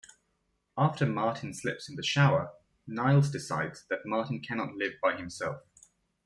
After Martin slips in the shower, Niles decides that Martin cannot live by himself.